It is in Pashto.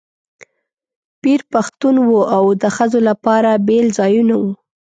پیر پښتون و او د ښځو لپاره بېل ځایونه وو.